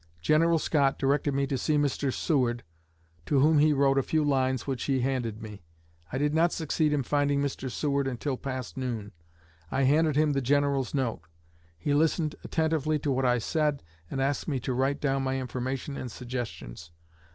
General Scott directed me to see Mr. Seward, to whom he wrote a few lines, which he handed me. I did not succeed in finding Mr. Seward until past noon. I handed him the General's note. He listened attentively to what I said, and asked me to write down my information and suggestions.